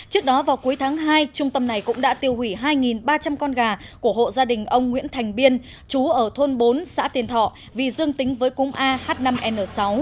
trước đó vào cuối tháng hai trung tâm này cũng đã tiêu hủy hai ba trăm linh con gà của hộ gia đình ông nguyễn thành biên chú ở thôn bốn xã tiên thọ vì dương tính với cúm ah năm n sáu